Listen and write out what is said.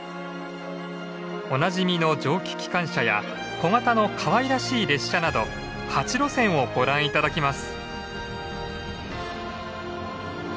おなじみの蒸気機関車や小型のかわいらしい列車など８路線をご覧頂きます。